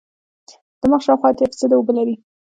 دماغ شاوخوا اتیا فیصده اوبه دي.